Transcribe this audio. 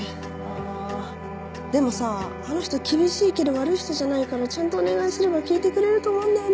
あでもさあの人厳しいけど悪い人じゃないからちゃんとお願いすれば聞いてくれると思うんだよね。